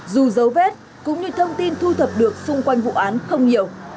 dù dấu vết cũng như thông tin thu thập được xung quanh vụ án không nhiều